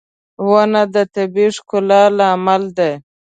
• ونه د طبيعي ښکلا لامل دی.